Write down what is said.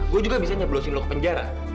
gue juga bisa nyablosing lo ke penjara